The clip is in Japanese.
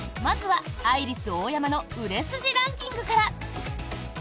まずはアイリスオーヤマの売れ筋ランキングから！